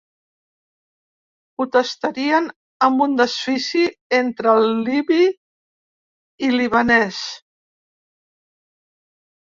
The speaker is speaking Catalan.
Ho tastaríem amb un desfici entre libi i libanès.